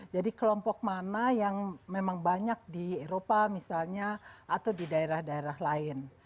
jadi kelompok mana yang memang banyak di eropa misalnya atau di daerah daerah lain